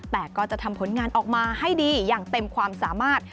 แต่ก็จะทำผลงานออกมาให้ดีอย่างเต็มความสามารถ